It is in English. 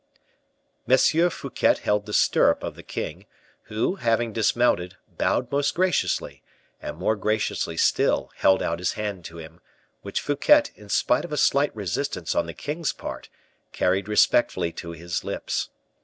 M. Fouquet held the stirrup of the king, who, having dismounted, bowed most graciously, and more graciously still held out his hand to him, which Fouquet, in spite of a slight resistance on the king's part, carried respectfully to his lips.